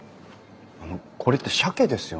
あのこれってしゃけですよね？